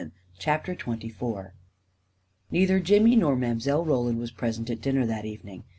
CHAPTER XXIV Neither Jimmy nor Mile. Roland was present at dinner that evening.